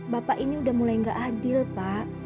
bapak ini udah mulai nggak adil pak